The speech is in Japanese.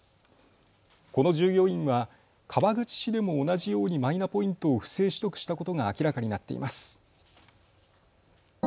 この従業員は川口市でも同じようにマイナポイントを不正取得したことが明らかになっています。